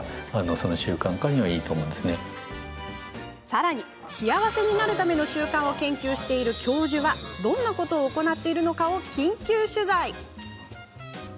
さらに、幸せになるための習慣を研究している教授はどんなことを行っているのかを緊急取材。